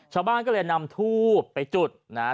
ชาวบ้านก็เลยนำทูบไปจุดนะฮะ